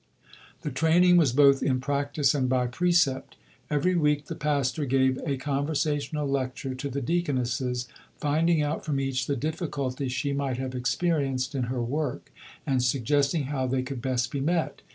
The training was both in practice and by precept. Every week the pastor gave a conversational lecture to the deaconesses, finding out from each the difficulties she might have experienced in her work, and suggesting how they could best be met.